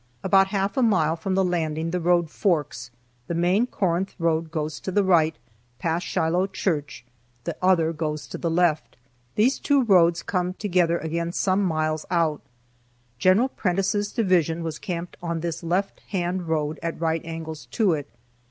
About half a mile from the landing the road forks, the main Corinth road goes to the right, past Shiloh church, the other goes to the left. These two roads come together again some miles out. General Prentiss' division was camped on this left hand road at right angles to it.